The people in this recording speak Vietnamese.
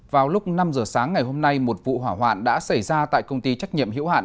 vào lúc năm giờ sáng ngày hôm nay một vụ hỏa hoạn đã xảy ra tại công ty trách nhiệm hiểu hạn